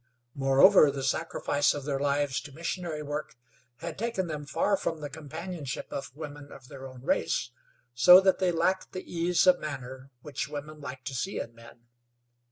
Moreover, the sacrifice of their lives to missionary work had taken them far from the companionship of women of their own race, so that they lacked the ease of manner which women like to see in men.